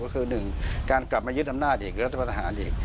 ก็คือ๑การกลับมายึดอำนาจอีก